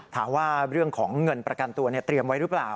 ถามว่าเรื่องของเงินประกันตัวเตรียมไว้หรือเปล่า